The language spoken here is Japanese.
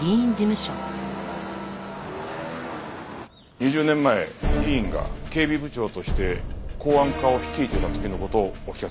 ２０年前議員が警備部長として公安課を率いていた時の事をお聞かせ頂きたい。